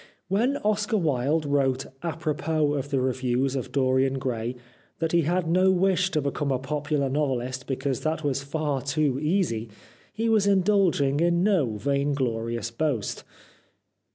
When Oscar Wilde wrote apropos of the reviews of " Dorian Gray " that he had no wish to become a popular novelist because that was far too easy he was indulging in no vainglorious boast.